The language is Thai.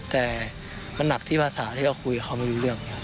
แต่มันหนักที่ภาษาที่เราคุยเขาไม่รู้เรื่อง